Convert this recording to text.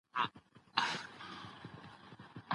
احمد شاه ابدالي څنګه د همکارۍ پراختیا وکړه؟